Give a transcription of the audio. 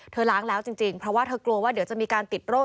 ล้างแล้วจริงเพราะว่าเธอกลัวว่าเดี๋ยวจะมีการติดโรค